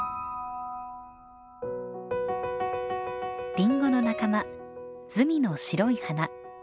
リンゴの仲間ズミの白い花。